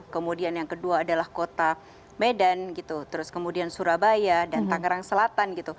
kemudian yang kedua adalah kota medan kemudian surabaya dan tangerang selatan